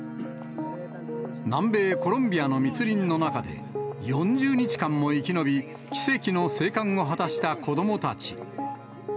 南米コロンビアの密林の中で、４０日間も生き延び、奇跡の生還を果たした子どもたち。